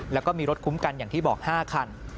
แล้วก็มีรถคุ้มกันอย่างที่บอก๕คัน